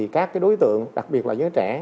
các đối tượng đặc biệt là giới trẻ